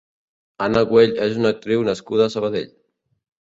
Anna Güell és una actriu nascuda a Sabadell.